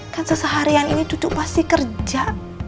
kan seseharian ini duduk pasti kerja